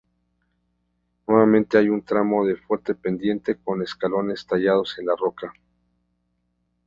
Nuevamente hay un tramo de fuerte pendiente, con escalones tallados en la roca.